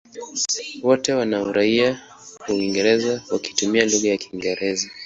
Wote wana uraia wa Uingereza wakitumia lugha ya Kiingereza.